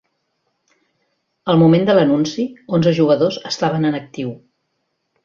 Al moment de l'anunci, onze jugadors estaven en actiu.